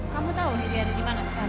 kamu tahu diri ada di mana sekarang